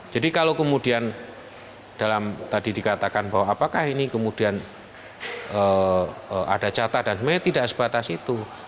jadi kalau kemudian dalam tadi dikatakan bahwa apakah ini kemudian ada catatan sebenarnya tidak sebatas itu